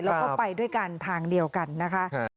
แล้วก็ไปด้วยกันทางเดียวกันนะคะ